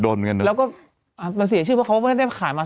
สิทธิ์โดนกันแล้วก็อ่ามันเสียชื่อว่าเขาไม่ได้ขายมา